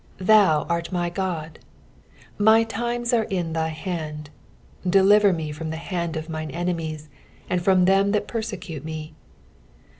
Thou art my God. 15 My times are in thy hand : deliver me from the hand of mine enemies, and from them that persecute me.